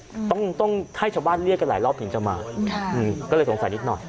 อืมต้องต้องให้ชาวบ้านเรียกกันหลายรอบถึงจะมาค่ะอืมก็เลยสงสัยนิดหน่อย